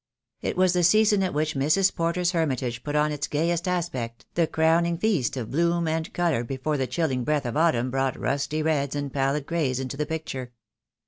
It was the season at which Mrs. Porter's hermitage put on its gayest aspect, the crowning feast of bloom and colour before the chilling breath of autumn brought rusty reds and pallid grays into the picture.